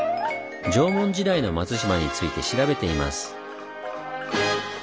縄文時代の松島について調べています。